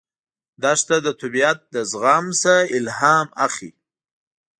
دښته د طبیعت له زغم نه الهام اخلي.